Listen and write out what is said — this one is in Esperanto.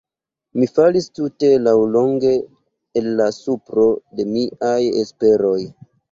Mi falis tute laŭlonge el la supro de miaj esperoj.